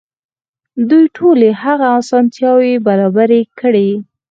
دوی ټولې هغه اسانتياوې برابرې کړې.